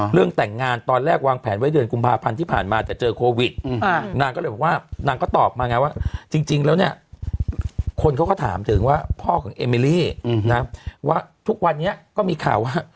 เรื่องแต่งงานตอนแรกวางแผนไว้เดือนกุมภาพันธ์ที่ผ่านมาแต่เจอโควิดอาหารของเขาก็ตอบมาว่าทุกวันนี้ก็มีข่าวว่า